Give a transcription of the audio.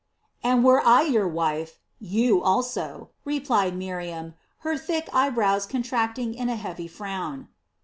"And were I your wife, you also," replied Miriam, her thick eye brows contracting in a heavy frown.